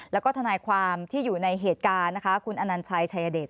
แล้วก็ทนายความที่อยู่ในเหตุการณ์นะคะคุณอนัญชัยชายเดช